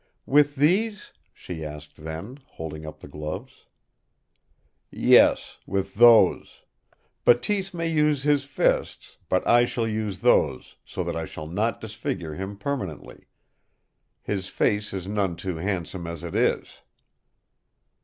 "With these?" she asked then, holding up the gloves. "Yes, with those. Bateese may use his fists, but I shall use those, so that I shall not disfigure him permanently. His face is none too handsome as it is."